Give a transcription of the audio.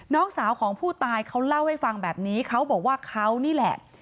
น้องสาวของผู้ตายเขาเล่าให้ฟังแบบนี้เขาบอกว่าเขานี่แหละ